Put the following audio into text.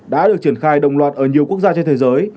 đã được triển khai đồng loạt ở nhiều quốc gia trên thế giới